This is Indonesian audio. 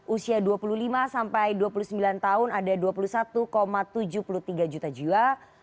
usia dua puluh lima sampai dua puluh sembilan tahun ada dua puluh satu tujuh puluh tiga juta jiwa